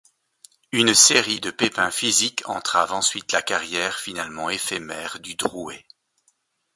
Une série de pépins physiques entrave ensuite la carrière finalement éphémère du Drouais.